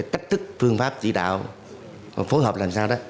cách thức phương pháp chỉ đạo phối hợp làm sao đó